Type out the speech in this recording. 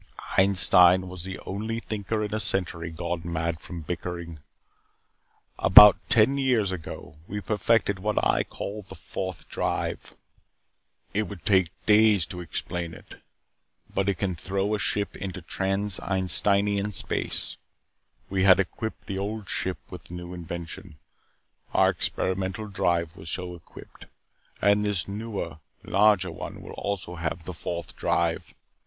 Einstein was the only thinker in a century gone mad from bickering. About ten years ago we perfected what I call The Fourth Drive. It would take days to explain it, but it can throw a ship into Trans Einsteinian Space. We had equipped the Old Ship with the new invention. Our experimental ship was so equipped. And this newer, larger one will also have The Fourth Drive.